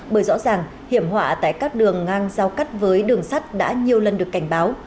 bởi rõ ràng hiểm họa tại các đường ngang giao cắt với đường sắt đã nhiều lần được cảnh báo